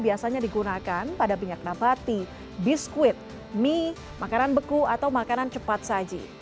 biasanya digunakan pada minyak nabati biskuit mie makanan beku atau makanan cepat saji